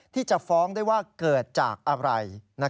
ที่จะฟ้องได้ว่าเกิดจากอะไร